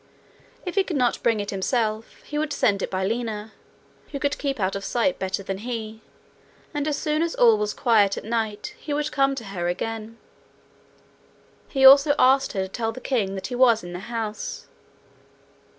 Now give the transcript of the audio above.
If he could not bring it himself, he would send it by Lina, who could keep out of sight better than he, and as soon as all was quiet at night he would come to her again. He also asked her to tell the king that he was in the house.